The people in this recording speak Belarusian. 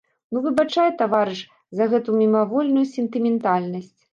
Ну, выбачай, таварыш, за гэту мімавольную сентыментальнасць.